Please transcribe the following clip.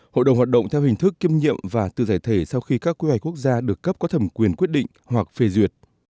hội đồng hoạt động theo hình thức kiêm nhiệm và tự giải thể sau khi các quy hoạch quốc gia được cấp có thẩm quyền quyết định hoặc phê duyệt